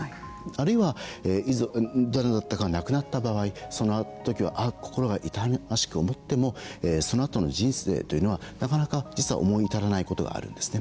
あるいは、誰だったが亡くなった場合その時は心で痛ましく思ってもそのあとの人生というのはなかなか思い至らないことがあるんですね。